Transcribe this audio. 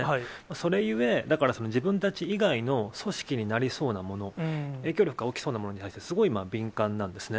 それゆえ、だから自分たち以外の組織になりそうなもの、影響力が大きそうなものに対してすごい敏感なんですね。